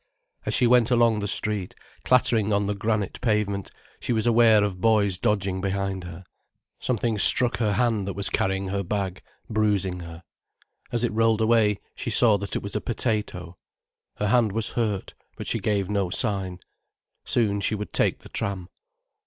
As she went along the street, clattering on the granite pavement, she was aware of boys dodging behind her. Something struck her hand that was carrying her bag, bruising her. As it rolled away she saw that it was a potato. Her hand was hurt, but she gave no sign. Soon she would take the tram.